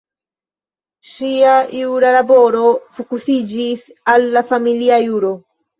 Ŝia jura laboro fokusiĝis al la familia juro.